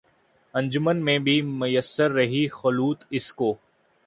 انجمن میں بھی میسر رہی خلوت اس کو